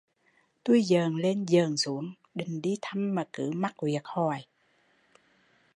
Tui dợn lên dợn xuống định đi thăm mà cứ mắc việc hoài